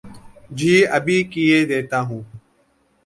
جی ابھی کیئے دیتا ہو